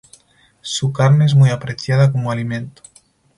Su carne es muy apreciada como alimento.